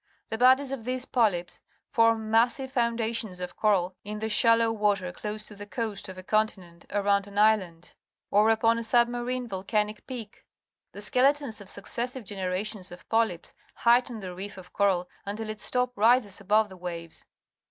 The bodies of these polyps form massi\e founda tions of coral in the shallow water close to the coast of a continent, around an island, or upon a submarine volcanic peak. The skeletons of successive generations of polj^ps heighten the reef of coral until its top rises above the waves.